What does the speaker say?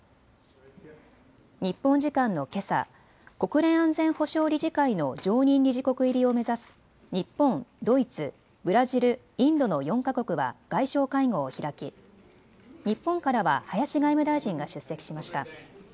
日本時間のけさ、国連安全保障理事会の常任理事国入りを目指す日本、ドイツ、ブラジル、インドの４か国は外相会合を開き日本からは林外務大臣が出席しました。